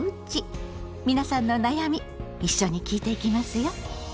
皆さんの悩み一緒に聞いていきますよ。